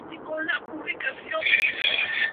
Las letras fueron escritas personalmente por Quorthon.